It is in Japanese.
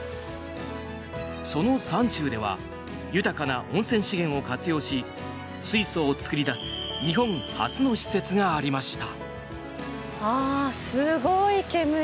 その山中では豊かな温泉資源を活用し水素を作り出す日本初の施設がありました。